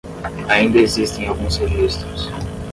Ainda existem alguns registros